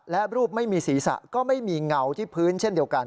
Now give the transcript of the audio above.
และรูปไม่มีศีรษะก็ไม่มีเงาที่พื้นเช่นเดียวกัน